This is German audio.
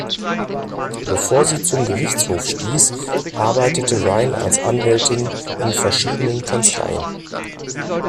Bevor sie zum Gerichtshof stieß, arbeitete Ryan als Anwältin in verschiedenen Kanzleien.